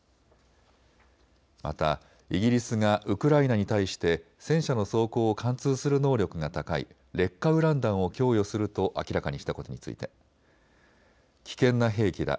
またイギリスがウクライナに対して戦車の装甲を貫通する能力が高い劣化ウラン弾を供与すると明らかにしたことについて危険な兵器だ。